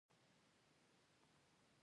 د بام او د انګړ د باران اوبه ورته راجمع کېږي.